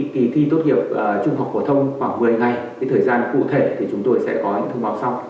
kỳ thi tốt nghiệp trung học phổ thông khoảng một mươi ngày thời gian cụ thể thì chúng tôi sẽ có những thông báo sau